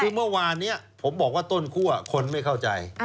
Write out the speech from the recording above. คือเมื่อวานนี้ผมบอกว่าต้นคั่วคนไม่เข้าใจ